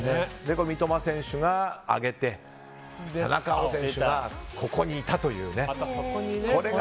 三笘選手が上げて田中碧選手がここにいたというね。